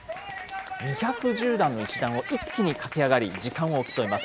２１０段の石段を一気に駆け上がり、時間を競います。